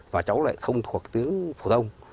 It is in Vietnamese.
và cháu lại không thuộc tiếng phổ thông